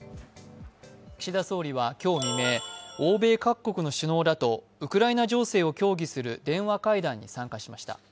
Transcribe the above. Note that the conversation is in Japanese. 岸田総理は今日未明、欧米各国の首脳らとウクライナ情勢を協議する電話会談に参加しました。